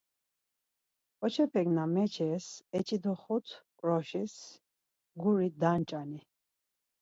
Ǩoçepek na meçes eçidoxut ǩroşis guri danç̌ani?